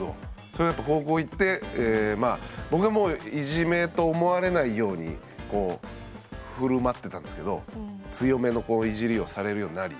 それがやっぱ高校行って僕がもういじめと思われないようにこう振る舞ってたんですけど強めのイジりをされるようになり。